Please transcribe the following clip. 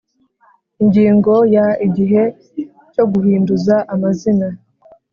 Ingingo ya Igihe cyo guhinduza amazina